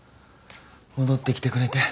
戻ってきてくれて。